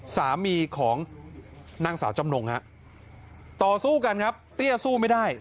สามีของนางสาวจำนงฮะต่อสู้กันครับเตี้ยสู้ไม่ได้